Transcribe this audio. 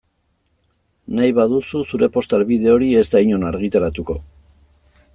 Nahi baduzu zure posta helbide hori ez da inon argitaratuko.